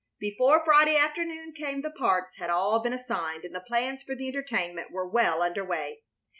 Before Friday afternoon came the parts had all been assigned and the plans for the entertainment were well under way.